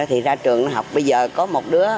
thì ra trường học bây giờ có một đứa